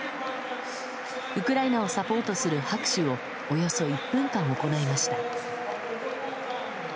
ウクライナをサポートする拍手をおよそ１分間行いました。